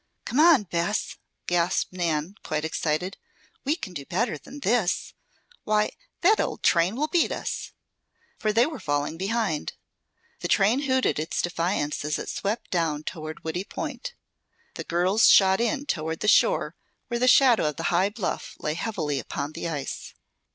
"Come on, Bess!" gasped Nan, quite excited. "We can do better than this! Why, that old train will beat us!" For they were falling behind. The train hooted its defiance as it swept down toward Woody Point. The girls shot in toward the shore, where the shadow of the high bluff lay heavily upon the ice.